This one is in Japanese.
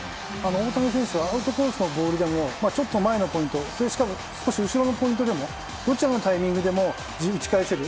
大谷選手はアウトコースのボールでもちょっと前の少し後ろのポイントでもどちらのタイミングでも打ち返せる。